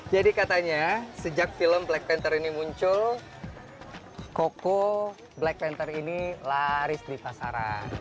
jadi katanya sejak film black panther ini muncul koko black panther ini laris di pasaran